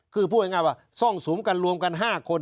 คือพูดง่ายว่าซ่องสุมกันรวมกัน๕คน